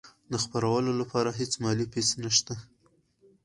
د خپرولو لپاره هیڅ مالي فیس نشته.